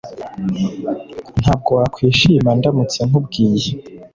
Ntabwo wakwishima ndamutse nkubwiye